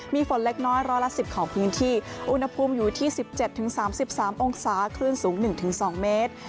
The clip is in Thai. มีฝนเล็กน้อยร้อยละ๑๐ของพื้นที่อุณหภูมิอยู่ที่๑๗๓๓องศาคลื่นสูง๑๒เมตร